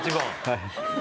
はい。